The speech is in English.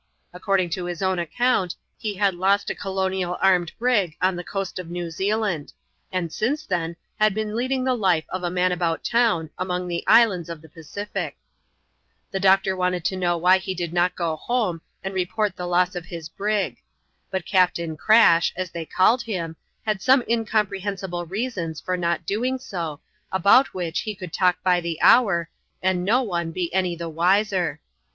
According to his own account, he had lost a colonial armed brig on the coast of New Zealand ; and since then, had been leading the life of a man about town, among the islands of the Pacific. The doctor wanted to know why he did not go home and r€^rt the loss of ids brig ; but Caj^tsaxi Onii^) «& ^^1 «s^&s^ 304 ADVENTURES IN THE SOUTH SEAS. [chap. him, had some incompreliensible reasons for not doing so, about which he could talk by the hour, and no one be any the wiser.